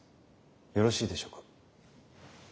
よろしいでしょうか？